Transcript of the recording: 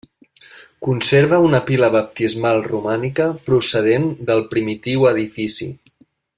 Conserva una pila baptismal romànica procedent del primitiu edifici.